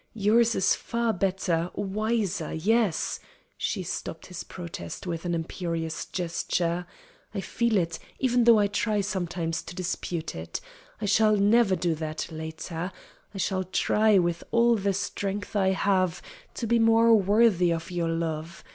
Yours is far better, wiser yes" she stopped his protest with an imperious gesture "I feel it, even though I try sometimes to dispute it. I shall never do that later. I shall try, with all the strength I have, to be more worthy of your love.